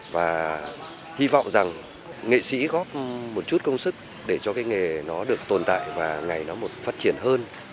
và hy vọng rằng nghệ sĩ góp một chút công sức để cho cái nghề nó được tồn tại và ngày nó phát triển hơn